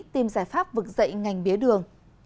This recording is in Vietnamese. tìm giải pháp vực dậy ngành bía đường